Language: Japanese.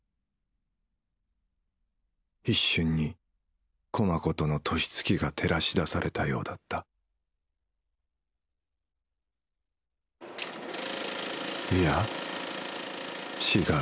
一瞬に駒子との年月が照らし出されたようだったいや違う